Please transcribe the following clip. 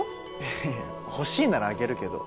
いや欲しいならあげるけど。